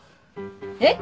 えっ？